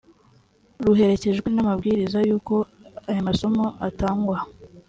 ruherekejwe n’amabwiriza y’uko aya masomo atangwa